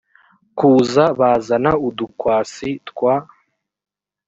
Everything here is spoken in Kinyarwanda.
kuza bazana udukwasi twa